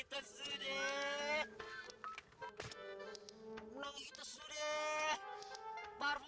tapi mau jual sapi